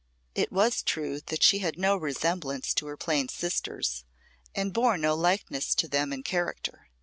It was true that she had no resemblance to her plain sisters, and bore no likeness to them in character.